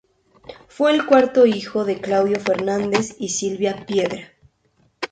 Fue el cuarto hijo de Claudio Fernández y Silvia Piedra.